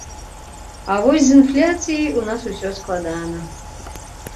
А вось з інфляцыяй у нас усё складана.